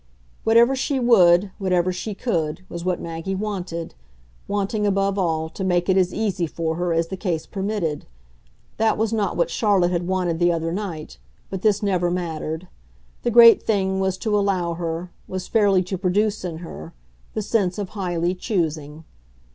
Whatever she would, whatever she could, was what Maggie wanted wanting above all to make it as easy for her as the case permitted. That was not what Charlotte had wanted the other night, but this never mattered the great thing was to allow her, was fairly to produce in her, the sense of highly choosing.